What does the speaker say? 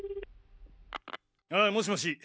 ああもしもし